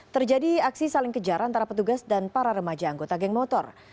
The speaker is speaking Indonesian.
terjadi aksi saling kejar antara petugas dan para remaja anggota geng motor